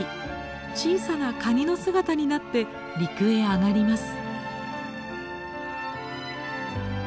小さなカニの姿になって陸へ上がります。